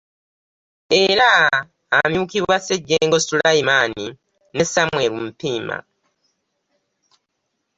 Era amyukibwa Ssejjengo Sulaiman ne Samuel Mpiima